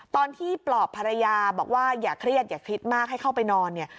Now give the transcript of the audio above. ปลอบภรรยาบอกว่าอย่าเครียดอย่าคิดมากให้เข้าไปนอนเนี่ย